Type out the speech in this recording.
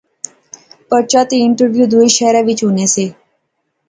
پرچہ تے انٹرویو دووے شہرے وچ ہونے سے